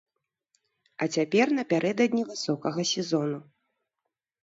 А цяпер напярэдадні высокага сезону.